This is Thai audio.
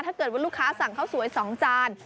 ถ้าเกิดว่าลูกค้าสั่งข้าวสวย๒จาน